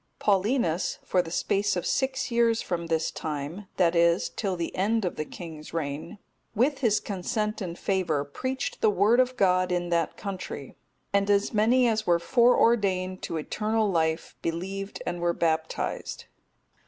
Paulinus, for the space of six years from this time, that is, till the end of the king's reign, with his consent and favour, preached the Word of God in that country, and as many as were foreordained to eternal life believed and were baptized.